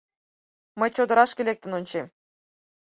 Мый чодырашке лектын ончем.